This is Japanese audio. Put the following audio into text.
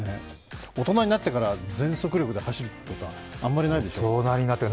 大人になってから全速力で走るとか、あまりないでしょ。